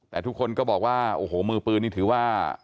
แต่ทุกคนก็บอกว่าโอ้โหมือปืนนี่ถือว่า